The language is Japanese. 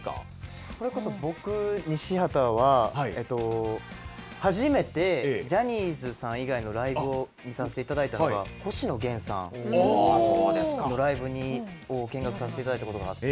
それこそ、僕、西畑は、初めてジャニーズさん以外のライブを見させていただいたのが、星野源さんのライブを見学させていただいたことがあって。